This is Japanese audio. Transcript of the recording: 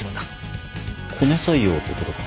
コネ採用ってことか？